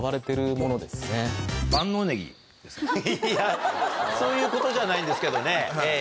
いやそういうことじゃないんですけどね。